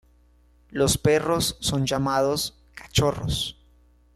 Los perros son llamados "cachorros".